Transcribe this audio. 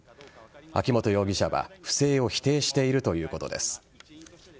秋本容疑者は、不正を否定しているということです。